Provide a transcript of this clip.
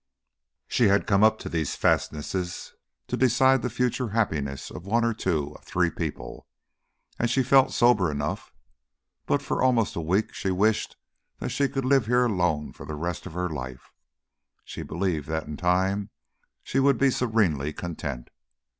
She had come up to these fastnesses to decide the future happiness of one or two of three people, and she felt sober enough; but for almost a week she wished that she could live here alone for the rest of her life: she believed that in time she would be serenely content.